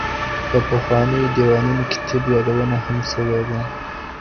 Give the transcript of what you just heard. په پخوانیو دیوانونو کي د طب یادونه هم سوې ده.